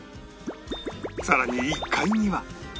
さらに１階には